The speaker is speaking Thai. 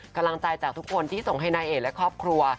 กำลังใจจากทุกคนที่ส่งให้นายเอกและครอบครัว